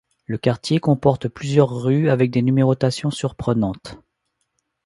Le quartier comporte plusieurs rues avec des numérotations surprenantes.